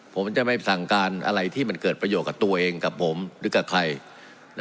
ผมจะไม่สั่งการอะไรที่มันเกิดประโยชน์กับตัวเองกับผมหรือกับใคร